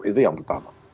itu yang pertama